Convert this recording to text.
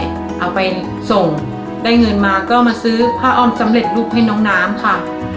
เอาไปส่งได้เงินมาก็มาซื้อผ้าอ้อมสำเร็จรูปให้น้องน้ำค่ะ